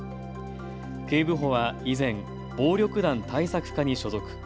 警部補は以前、暴力団対策課に所属。